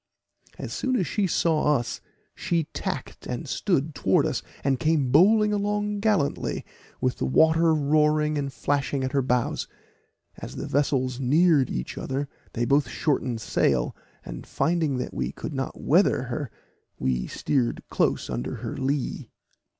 As soon as she saw us, she tacked and stood towards us, and came bowling along gallantly, with the water roaring and flashing at her bows. As the vessels neared each other they both shortened sail, and finding that we could not weather her, we steered close under her lee.